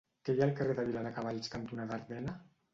Què hi ha al carrer Viladecavalls cantonada Ardena?